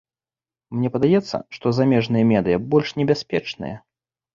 Мне падаецца, што замежныя медыя больш небяспечныя.